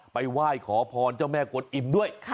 ไหว้ขอพรเจ้าแม่กวนอิ่มด้วย